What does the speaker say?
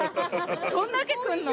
どんだけ来るの？